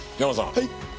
はい。